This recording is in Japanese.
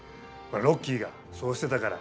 ロッキーがそうしてたから。